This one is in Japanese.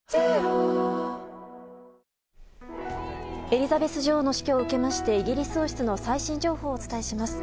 エリザベス女王の死去を受けましてイギリス王室の最新情報をお伝えします。